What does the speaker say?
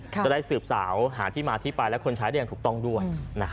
จะได้สืบสาวหาที่มาที่ไปและคนใช้ได้อย่างถูกต้องด้วย